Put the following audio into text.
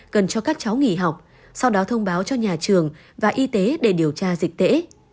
cần cho các cháu nghỉ học sau đó thông báo cho nhà trường và y tế để điều tra dịch tễ